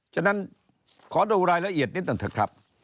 ฉะนั้นขอดูรายละเอียดนิดหนึ่งเถอะครับ